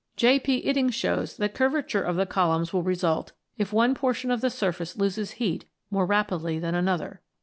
J. P. Iddings shows that curvature of the columns will result if one portion of the surface loses heat more rapidly than another.